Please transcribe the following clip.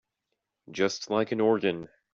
Just like an organ.